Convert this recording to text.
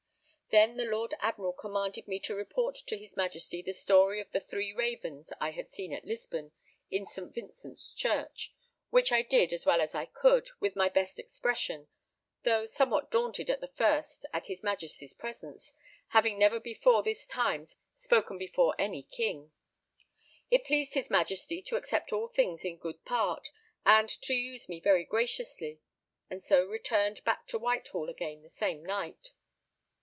Then the Lord Admiral commanded me to report to his Majesty the story of the 3 ravens I had seen at Lisbon, in St. Vincent's Church, which I did as well as I could, with my best expression, though somewhat daunted at the first at his Majesty's presence, having never before this time spoken before any King. It pleased his Majesty to accept all things in good part, and to use me very graciously; and so returned back to Whitehall again the same night.